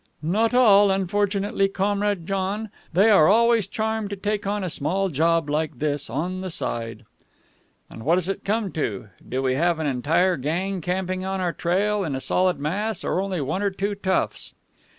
"Not all, unfortunately, Comrade John. They are always charmed to take on a small job like this on the side." "And what does it come to? Do we have an entire gang camping on our trail in a solid mass, or only one or two toughs?"